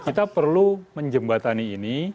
kita perlu menjembatani ini